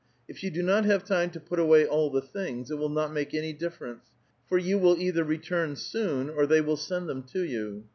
If you do not have time to put away all the things, it will not make any diffeVence, for you will either return soon, or they will send them to you.